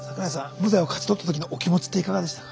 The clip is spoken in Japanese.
無罪を勝ち取ったときのお気持ちっていかがでしたか？